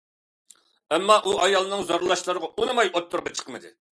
ئەمما ئۇ ئايالىنىڭ زورلاشلىرىغا ئۇنىماي ئوتتۇرىغا چىقمىدى.